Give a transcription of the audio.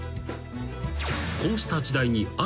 ［こうした時代に］